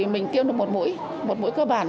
mình tiêm được một mũi một mũi cơ bản